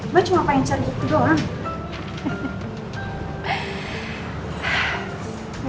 mbak cuma pengen cari gue doang